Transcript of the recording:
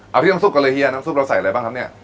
เอาที่น้ำซุปก่อนเลยเฮียน้ำซุปเราใส่อะไรบ้างครับเนี่ย